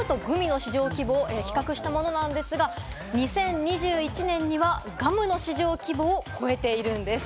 こちらガムとグミの市場規模を比較したものなんですが、２０２１年にはガムの市場規模を超えているんです。